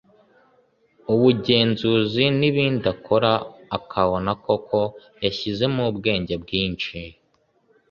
ubugenzuzi n’ibindi akora akabona koko yashyizemo ubwenge bwinshi